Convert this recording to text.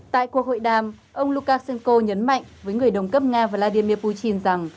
tại cuộc hội đàm ông lukashenko nhấn mạnh với người đồng cấp nga vladimir putin rằng